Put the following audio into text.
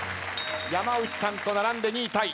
山内さんと並んで２位タイ。